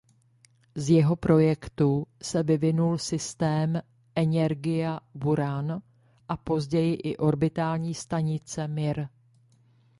Z jeho projektu se vyvinul systém Eněrgija–Buran a později i orbitální stanice Mir.